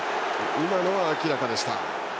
今のは明らかでした。